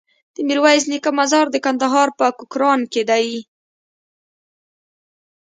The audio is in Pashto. د ميرويس نيکه مزار د کندهار په کوکران کی دی